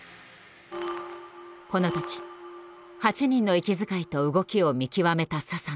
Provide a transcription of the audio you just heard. この時８人の息遣いと動きを見極めた佐々野。